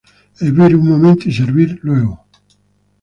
Hervir un momento y servir luego.